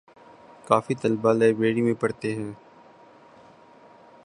کافی طلبہ لائبریری میں پڑھتے ہیں